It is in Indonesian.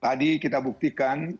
tadi kita buktikan